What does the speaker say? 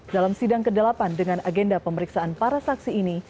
dalam sidang ke delapan dengan agenda pemeriksaan para saksi ini